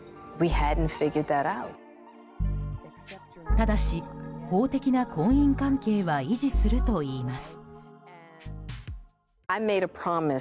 ただし、法的な婚姻関係は維持するといいます。